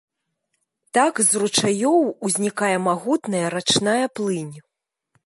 Так з ручаёў узнікае магутная рачная плынь.